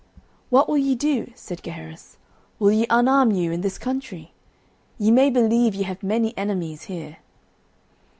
"What will ye do?" said Gaheris; "will ye unarm you in this country? Ye may believe ye have many enemies here."